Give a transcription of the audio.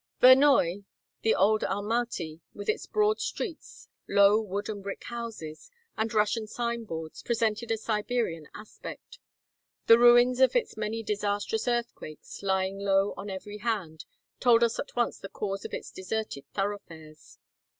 Vernoye, the old Almati, with its broad streets, low wood and brick houses, and Russian sign boards, presented a Siberian aspect. The ruins of its many disastrous earthquakes lying low on every hand told us at once the cause of its deserted thoroughfares.